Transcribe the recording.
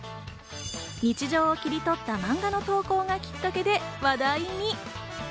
日常を切り取ったマンガの投稿がきっかけで話題に。